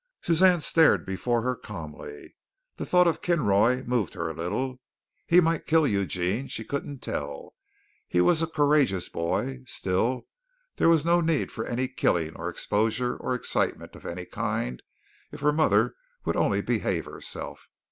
Suzanne stared before her calmly. The thought of Kinroy moved her a little. He might kill Eugene she couldn't tell he was a courageous boy. Still there was no need for any killing, or exposure, or excitement of any kind if her mother would only behave herself.